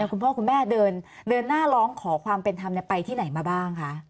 คุณพ่อคุณแม่เดินหน้าร้องขอความเป็นธรรมไปที่ไหนมาบ้างคะ